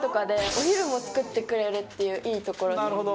お昼も作ってくれるっていういい所で。